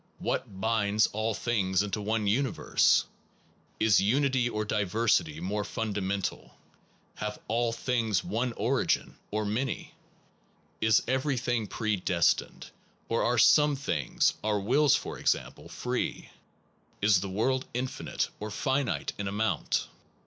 What binds all things into one universe? Is unity or diversity more fundamental? Have all things one origin? or many? Is everything predestined, or are some things (our wills for example) free? Is the world infinite or finite in amount?